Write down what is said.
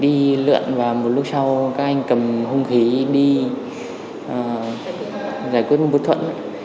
đi lượn và một lúc sau các anh cầm hung khí đi giải quyết vụ vụ thuẫn